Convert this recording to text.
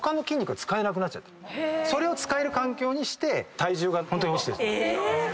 それを使える環境にして体重がホントに落ちてる。